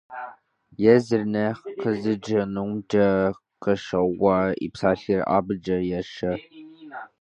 Езыр нэхъ къыздикӀынумкӀэ къыщоуэ, и псалъэр абыкӀэ ешэ.